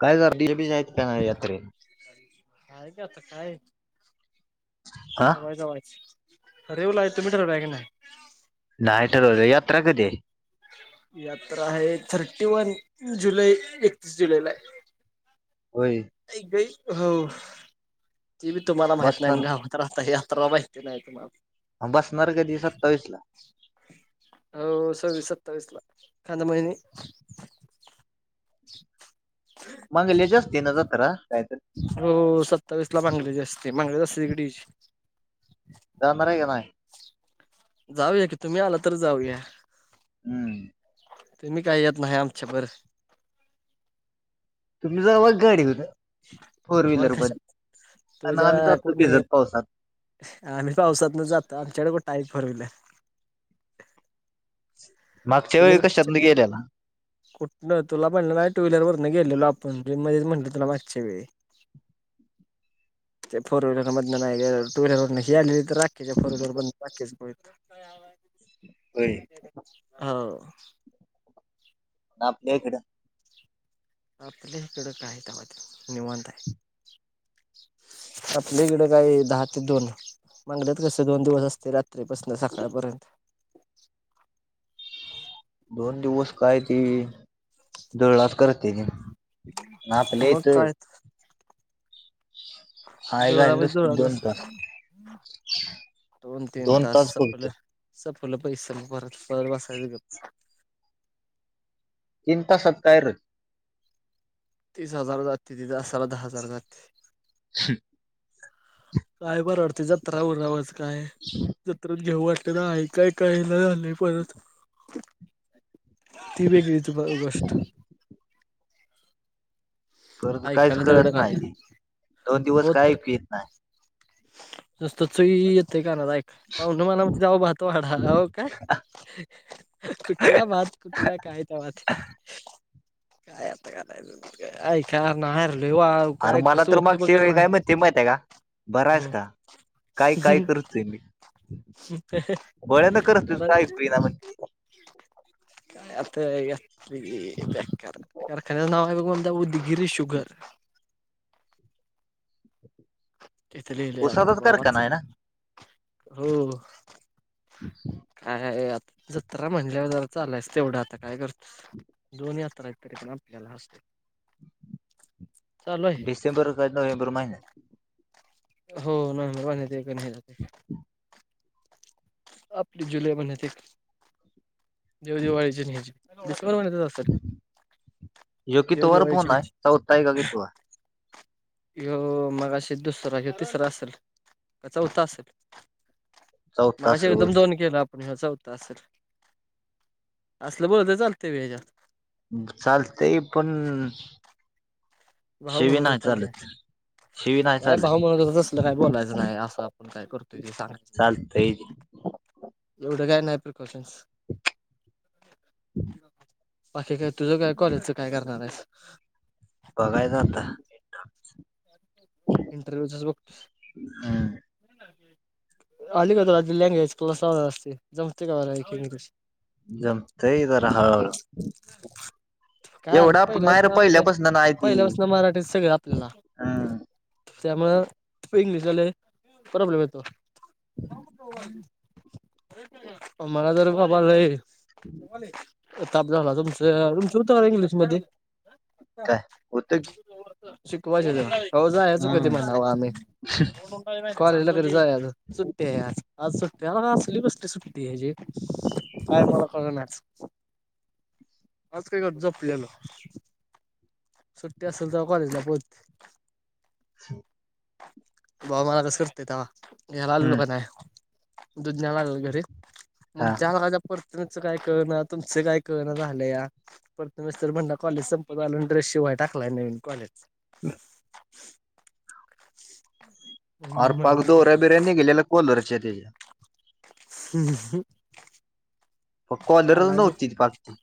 काय करती बिजे आहेत नाही यात्रे. हा [unintelligible] रेवुला य तो मीठर बक ना. नाही ठरवल यात्रा कधी आहे. यात्रा आहे थर्टी वन जुलै. एकतीस जुलैला आहे. होय. [unintelligible] ती बी तुम्हाला माहित नाही आणि बसणार गावात राहता. यात्रा माहित नाही तुम्हाला. असणार कधी सत्तावीस ला. हो सव्वीस सत्तावीसला एखादा महिनी. [inaudible] मंगल्याची अस्ती ना जत्रा. काय हो सत्तावीस ला बांगलीची असते. बांगलीच असते तिकडीची. जाणार आहे की नाय? जाऊया की. तुम्ही आला तर जाऊया. हम्म तुम्ही काही येत नाही आमच्या बर तुम्ही जावा गाडीमध्ये फोर मग व्हीलर मध्ये. कशा आणि तुझ्या आम्ही जातो कोणी भिजत पावसात. आम्ही पावसात न जातो. आमच्याकडे कुठाई फोरव्हीलर. [inaudible] वेळी कशातन गेलेला? [unintelligible] कुठन तुला म्हणलं नाही टू व्हीलर वरन गेलेलो आपण मध्ये म्हटल तुला मागच्या वेळी. [inaudible] ते फोर व्हीलर मधन नाही टू व्हीलर वरन गेले. राखीच्या फोर व्हीलर मधन राखीच होय हो आपल्या इकड आपल्या हिकड काय गावात निवांत आहे. आपल्या इकडे काय दहा ते दोन बंगल्यात कस दोन दिवस असते रात्रीपासन सकाळपर्यंत. दोन दिवस काय ते धुळलास करते नी. मग काय त. हाय धुरळा घाली म्हणजे नसती धुरळाच दोन तास असतो. दोन तीन तास सपल सपल पैस म परत परवाच काय ते गप तीन तासात काय रं? तीस हजार जाते तिथे, तासाला दहा हजार जाते. [unintelligible] काय बा रडते जत्रा ऊरावच काय जत्रत घेऊ वाट तुम्ही ऐका कायन झालेय परत? ती वेगळी तू बा गोष्ट. [inaudible] खरं त काहीच ऐकायला दगड कळतं काय नाय ते दोन दिवस काय ऐकू येत नाय. नुस्त चुईई य ठिक आहे माझ ऐक पाव्हण मला म्ह आहो भात वाढा होव काय. कुठला भात, कुठला काय त्या भात? काय आता कारायच का ऐका नाही र ले वो. अरे काय मला कसं तर होत मागच्या बघेल न वेळी काय आज म्हणते माहिती आहे का बरा आहेस हम्म. का काय काय करतोय मी बळ्यानं करतोय काय ऐकू ना म्हणते [unintelligible] आता यात ले येताय. कार कारखान्याच नाव आहे बघा म्हणत्या उदगिरी शुगर. तिथे लिहिलय आता उसाचाच बा कारखाना वाचंल आहे ना हो. [inaudible] काय आता जत्रा म्हणल्यावर जरा चालयस तेवढं आता काय करत दोन यात्रा ह तरी पण आपल्याला अस्रा डिसेंबर का नोव्हेंबर महिन्यात. हो नोव्हेंबर महिन्यात एक न हे होते. आपली जुलै महिन्यात एक देव दिवाळीची न हयाची डिंसेबर महिन्यातच असलं. ह्यो कीतवा वार फोन आणि आहे, ह्याची चवता आहे का कितवा? हयो मगाशी दुसरां की तिसरा असेल, का चौथ असेल? चौथा असेल मगाशी तुम दोन बहुतेक केलात. पण हयो चवता असल, आसलं बोलल त चालते व्हय याच्यात? चालतेय पण भाऊ शिवी म्हणत नाय होता नाही चालत, शिवी नाय चालत. सलं काही बोलायचं नाही, आसं आपण काय करतोय ते सांगायचं नाही. चालतंय एवढं काय नाही प्रिकॉशन्स. बाकी काय तुझं काय कॉलेजच काय करणार आहेस? बघायच आता. [inaudible] इंटरव्ह्यूचच बघ हम्म आली का तुला ती लँग्वेज क्लास लावलास ते, जमते का बऱ्यापैकी इंग्लिश? जमतेय जरा हळूहळू. काय एवढं अर्थ आपण नाही रे पहिल्यापासन आपलं पहिल्यापासून नाही ती पहिल्यापासन मराठीत सगळं आपल्याला हम्म त्यामुळं इंग्लिशला लय प्रॉब्लेम येतो. [unintelligible] मला तर बाबा लय ताप झाला तुमच तुमच होत का इंग्लिश मध्ये काय होतं की शिकवाचे तेव्हा. हो जायच कधी हम्म म्हणाव आम्ही कॉलेजला कधी जायाचं सुट्टी आहे आज. आज सुट्टी आहे बघा असली कसली सुट्टी हाय जे अरे मला कळलं नाही. आज काय क [unintelligible] झोपलेलो. सुट्टी असेल तेव्हा कॉलेजला पोत. [inaudible] बा मला कस करतेेत घ्यायला आलेलो हम्म का नाही. दुध्याला लागल घरी हा मग च प्रथमेशच काय कळणा तुमचं काय कळणा झालंया प्रथमेशच तर म्हणला कॉलेज संपत आलं ड्रेस शिवाय टाकलाय नवीन कॉलेजचा. [unintelligible] आर पार म्हणलं दोऱ्या बिर्याणी गेलेल्या कॉलरचे ते. हम्म हम्म प हम्म कॉलरच आलाय तो. नव्हती ती पाक ती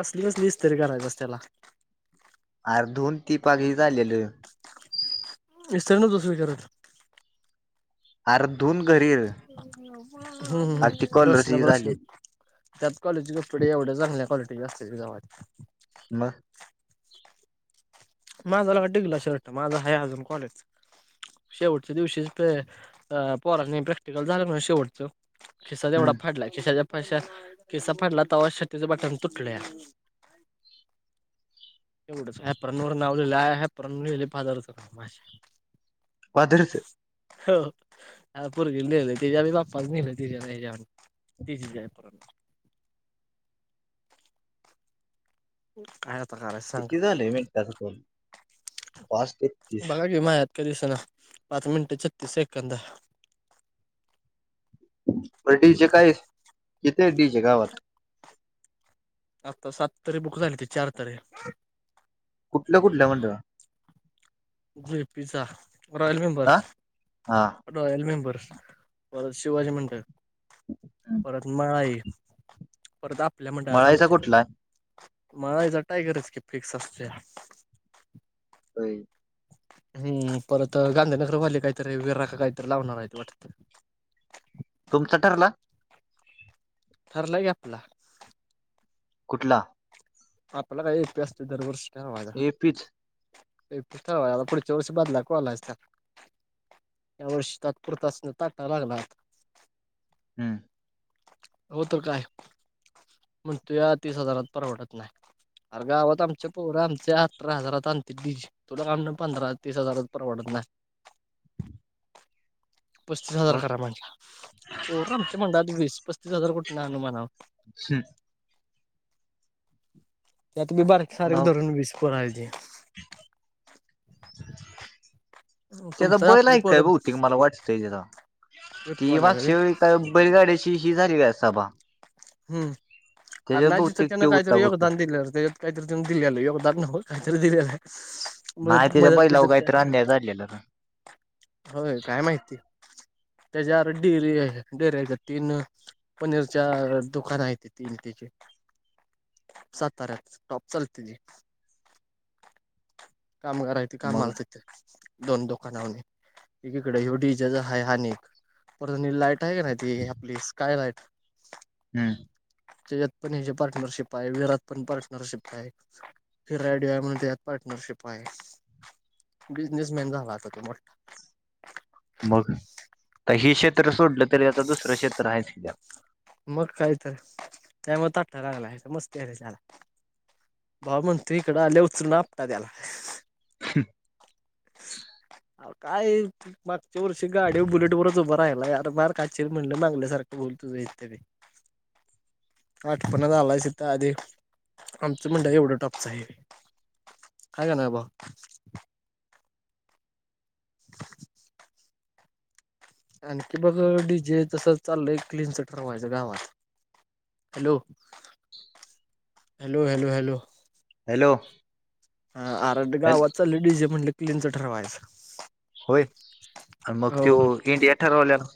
असली कसली इसतरी करायचंस त्याला. अर दोन ती पाग हे झालेलं. इस्तलन दुसरीकडे. आर दोन ग हो हो हो ती कॉलरची हे बसलं झालेली बसलं. त्यात कॉलेजचे कपडे एवढ्या चांगल्या क्वालिटीचे असतात गावात. म. माझा वाला [unintelligible] शर्ट माझा आहे अजून कॉलेजचा शेवटच्या दिवशीच ते अ पोरास्नी प्रॅक्टिकल झालं ना शेवटचं खिसा जेवढा हम्म फाडला खिशच्या पश्यात खिसा फाडला तेव्हा शर्टाचं बटन तुटलं या. एवढेच आहे परत नोरन लावलेला ये एप्रन. [unintelligible] पाजारीच. हो पोरगी नेली त्याच्यातच आपने नेलं तिच्या याच्यावर. [unintelligible] तिचीच एप्रन. आहे आता घरात सांग किती झालंय मिनिटाचा कॉल पाच तेहतीस बघा की माझ्यात ते दिसेना पाच मिनट छत्ती सेकंद. हो डीजे काय येतोय डीजे गावात. आता सात तारी बुक झाली ती चार तरी कुठल्या कुठल्या मंडळा झे पीचा रॉयल मेंबर. हा हा रॉयल मेंबर्स परत शिवाजी मंडळ परत म आई. परत आपल्या मंडळात मळायचा आमच्या. कुठला मला याचा टायगरच की फिक्स असतो या. व्हय. हम्म परत गांधीनगरवाले काहीतरी वीरा का काहीतरी लावणार आहेत वाटत. तुमचा ठरला. ठरला की आपला. कुठला? आपल्या काय उपी असत दर वर्ष कावाझ. ए पीच [unintelligible] [unintelligible] पुढच्या वर्षी बदल्या कोल्यास त्या. या वर्षी तात्पुरता अस ताटा लागला. हम्म. हो तर काय म्हणतोय तीस हजारात परवडत नाही. अर गावात आमच्या पोर आमच्या अठतरा हजारात आणते बिज. तुला काम पंधरा तीस हजारच परवडत नाय. [inaudible] पस्तीस हजार मग करा म्हणटल पोर आमच्या मंडळात वीस पस्तीस हजार कुठंन आणू म्हणावं. हम् त्यात मी बारीक सारीक धरण विस् करायचे हम्म त्याचा तुमच बैला आपली ऐ पोर काय बहती मला वाटतंय त्याचा ती वाल्याच भागश बी व का बरी गाड्याची ही झाली काय सभ हम्म कार नाही तथ बहुतेक त्यांन त्यो होता काहीतरी बहुतेक योगदान दिलं ते काहीतरी त्यां दिले आलं योदार न हो काहीतरी दिलेलं आहे नाही मदत त्याच्या मदत बैलाव बिदत काय काहीत अन्याय झालेलं का होय काय माहिती त्याच्यावर डेरी डेरी तीन पनीरच्या दुकान आहे ते तीन त्याचे साताऱ्यात टॉप चालते कामगारय ते कामा मग आला तिथे दोन दुकानावर एकीकडे एवढी जज ह हानक परत लाईट आहे का नाही ती आपली स्काय लाईट हम्म जयात पण ह पार्टनरशिप आहे विरात पण पार्टनरशिप आहे फिरायडय म्हण त्यात पार्टनरशिप आहे बिझनेसमॅन झाला आता ते मोठ मग हे क्षेत्र सोडलं तरी आता दुसरं क्षेत्र आहेचद्या मग काही तर त्यामुळे ताठठा लागला मस्ती आहे चला भाव मंत त्री इकडं आल्या उचल ना आपतात त्याला [inaudible] काय मागच्या वर्षी गाडी बुलेट वरच उभ राहायलार मार काचेर म्हणलं मागल्या सारखं बोल तुझ इथे हठ पण आलाचत आदी आमचं म्हणडा एवढं टपच आहे काय का ना भा हम्म आणखी बघ डी जे तस चालय क्लनचट रमायचं गावात hello hello hello hello hello हा आर मी हॅल गावाच डीजे च म्हणलं क्लीनच ठरवायचं होय आणि मग त इंडिया ठरवल्याला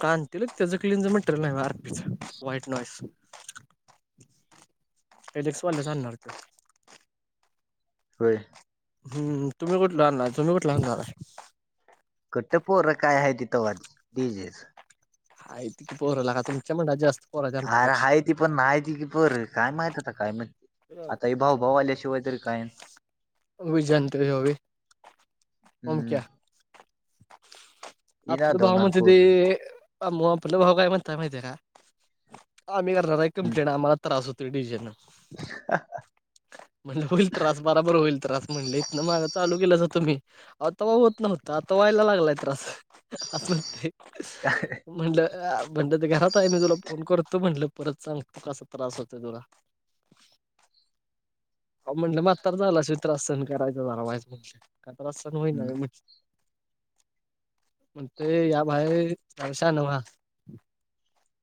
काांतील त्याच क्लीनच म्हण नाही आरपीच व्हाईट नॉस म एलेक्सवाला जा आणणार त होय हम् तुम्ही कुठला रा आणणार तुम्ही कुठला आणणार कट्ट पोर काय आहे तिथं वा जेस ह त की पोरंला का तुमच्या म्हनात जास्त पोराच्या अरे आहेती पण नाहीती की प काय माहती आता काय माह आता भाऊ भाऊ आल्याशिवाय तरी काय अभी जत ह आम हम्म क्या ही आपल नादवणार कामच आहे ते पोरं अ म पल होगाय मण तर आमही र कमे मग त्रास होतो डीजे चा ह म्हणलं होईल त्रास बराबर होईल त्रास म्हणले इतन मागं चालू केलं जातं मी आता व होत नव्हत आता व्हायला लागलाय त्रास असं नते म्हणलं म्हणलं तर घरात आहे मी तुला फोन करत तो म्हटलं परत सांग तू कसा त्रास होत तुला अहो म्हणलं म्हातारा झालाशिय त्रास सण करायच झारा मा म्हण का त्रास सण होईना हम्म का मग ते या बाहेर पावश नवा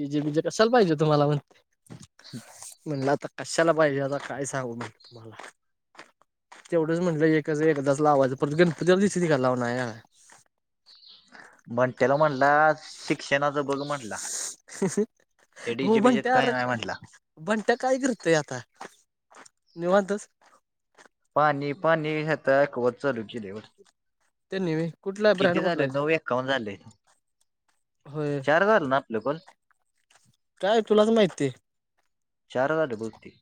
डीजे बीजे कशयला पाहिजे तुम्हाला म्हणते ह म्हणलं आता कशाला पाहिजे आता काय सांगू म तुम्हाला तेवढंच म्हटलं एकचं एकदाच लावायंच परत [unintelligible] लाव नाही. म्हण त्याला म्हणला शिक हे हो डीजे बीजेत म्हणत्या काही अर नाही म्हटला बंट्या काय करतंय आता निवांत पाणी पाणी हे दाखवत चालू केली. त्यानी होय, कुठला ब्रँड किती कुठला झाले आहे नऊ एकावन्न झाले. होय. चार झाले ना आपले पण काय तुलाच माहिती चार झाले बहुतेक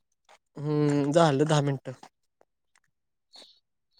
हम्म झालं दहा मिनटं. [unintelligible]